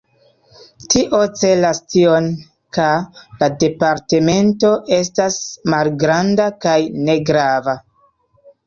Tio celas tion, ka la departemento estas malgranda kaj negrava.